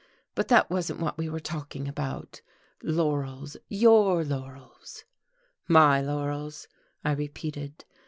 But that wasn't what we were talking about. Laurels! Your laurels." "My laurels," I repeated.